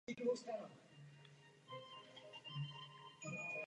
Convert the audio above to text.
Série "The Lost Tales" byla koncipována jako antologie filmových povídek.